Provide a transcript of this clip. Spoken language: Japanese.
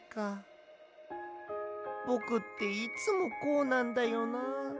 ぼくっていつもこうなんだよな。